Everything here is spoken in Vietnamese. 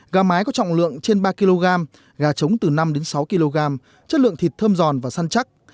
gà mái có trọng lượng trên ba kg gà trống từ năm sáu kg chất lượng thịt thơm giòn và săn chắc